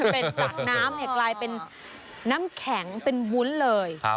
เป็นตักน้ำกลายเป็นน้ำแข็งเป็นวุ้นเลย